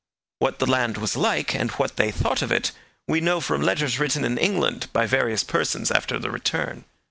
What the land was like, and what they thought of it, we know from letters written in England by various persons after their return.